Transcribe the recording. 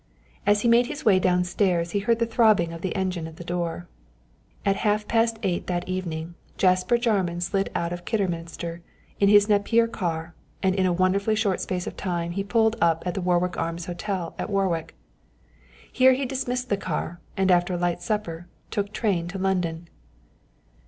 As he made his way down stairs he heard the throbbing of the engine at the door. At half past eight that evening Jasper Jarman slid out of Kidderminster in his Napier car, and in a wonderfully short space of time pulled up at the Warwick Arms Hotel at Warwick. Here he dismissed the car, and after a light supper took train to London.